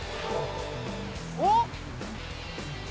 おっ！